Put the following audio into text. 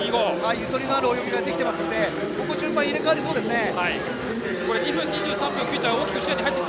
ゆとりのある泳ぎができていますので順番が入れ替わりそうですね。